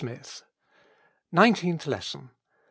149 NINETEENTH LESSON.